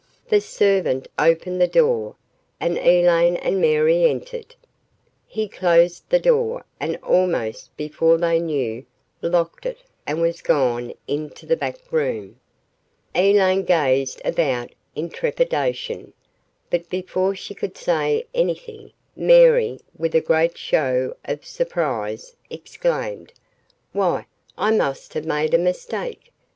The servant opened the door and Elaine and Mary entered. He closed the door and almost before they knew locked it and was gone into the back room. Elaine gazed about in trepidation. But before she could say anything, Mary, with a great show of surprise, exclaimed, "Why, I must have made a mistake.